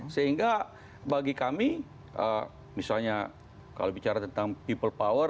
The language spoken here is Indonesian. sehingga bagi kami misalnya kalau bicara tentang people power